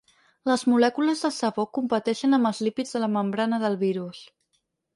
Les molècules de sabó ‘competeixen’ amb els lípids de la membrana del virus.